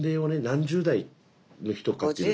何十代の人かっていうの。